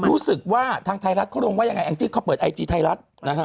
รู้สึกว่าทางไทยรัฐเขาลงว่ายังไงแองจี้เขาเปิดไอจีไทยรัฐนะฮะ